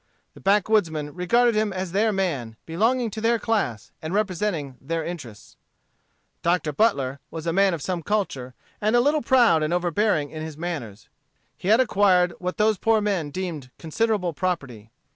The backwoodsmen regarded him as their man, belonging to their class and representing their interests. Dr. Butler was a man of some culture, and a little proud and overbearing in his manners. He had acquired what those poor men deemed considerable property.